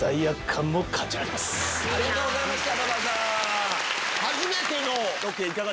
ありがとうございました馬場さん。